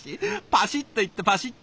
パシッといってパシッと。